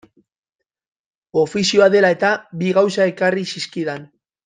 Ofizioa dela-eta, bi gauza ekarri zizkidan.